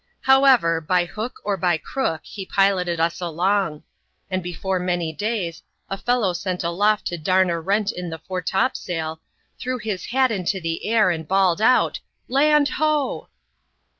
However, by hook or by crook, he piloted us along ; and be fore many days, a fellow sent aloft to darn a rent in the fore top sail, threw his hat into the air, and bawled out Land, ho